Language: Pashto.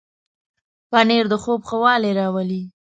پنېر د خوب ښه والی راولي.